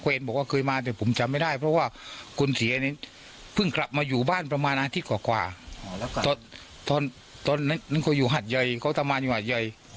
ตอนนั้นเขาอยู่หาดใหญ่เขาทำมาอยู่หาดใหญ่